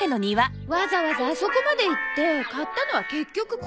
わざわざあそこまで行って買ったのは結局これだけ？